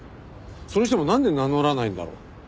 それにしてもなんで名乗らないんだろう？